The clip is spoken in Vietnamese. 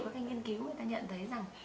các nghiên cứu người ta nhận thấy rằng